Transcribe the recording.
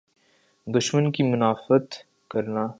دشمن کی مدافعت کرنا۔